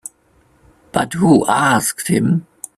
But who asked him?